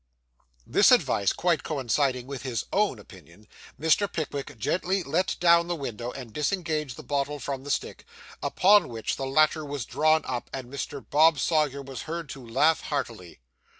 This advice quite coinciding with his own opinion, Mr. Pickwick gently let down the window and disengaged the bottle from the stick; upon which the latter was drawn up, and Mr. Bob Sawyer was heard to laugh heartily.